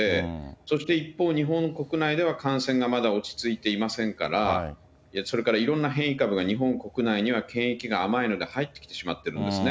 そして一方、日本国内では感染がまだ落ち着いていませんから、それからいろんな変異株が、日本国内は検疫が甘いので入ってきてしまっているんですね。